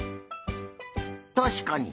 たしかに。